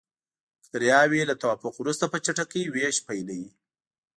بکټریاوې له توافق وروسته په چټکۍ ویش پیلوي.